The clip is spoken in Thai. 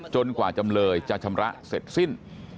กว่าจำเลยจะชำระเสร็จสิ้น